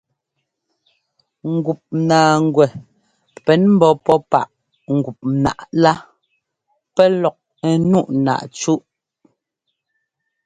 Ŋgup naaŋgwɛ pɛn ḿbɔ́ pɔ́ páꞌ gup nǎꞌá lá pɛ́ lɔk ńnuꞌ náꞌ cúꞌ.